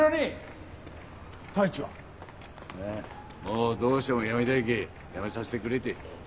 もうどうしても辞めたいけぇ辞めさせてくれて。